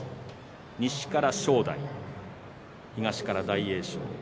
西から正代、東から大栄翔。